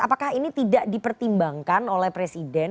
apakah ini tidak dipertimbangkan oleh presiden